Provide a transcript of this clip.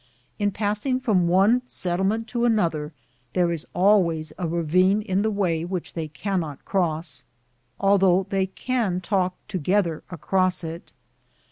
In passing from one settlement to another, there is always a ravine in the way which they can not cross, although they can talk to gether across it.